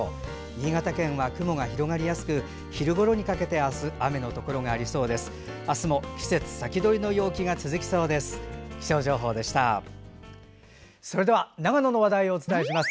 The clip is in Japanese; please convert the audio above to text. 新潟県は雲が広がりやすく昼ごろにかけて明日、雨のところがありそうです。